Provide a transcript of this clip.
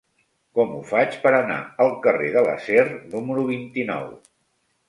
Com ho faig per anar al carrer de l'Acer número vint-i-nou?